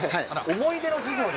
思い出の授